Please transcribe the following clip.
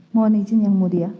mohon izin yang mudia